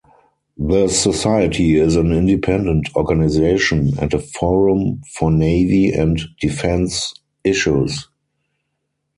The Society is an independent organization and a forum for navy and defence issues.